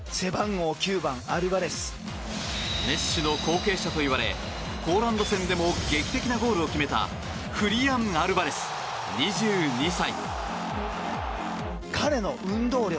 メッシの後継者といわれポーランド戦でも劇的なゴールを決めたフリアン・アルバレス、２２歳。